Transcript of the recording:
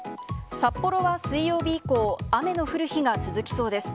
札幌は水曜日以降、雨の降る日が続きそうです。